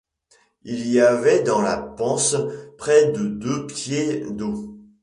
Il y avait dans la panse près de deux pieds d’eau.